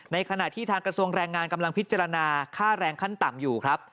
ขณะที่ทางกระทรวงแรงงานกำลังพิจารณาค่าแรงขั้นต่ำอยู่ครับ